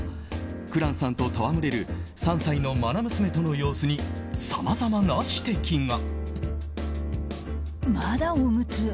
紅蘭さんと戯れる３歳の愛娘との様子にさまざまな指摘が。